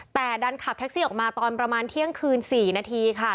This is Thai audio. แต่ดันขับแท็กซี่ออกมาตอนประมาณเที่ยงคืน๔นาทีค่ะ